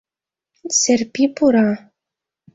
Серпи пура.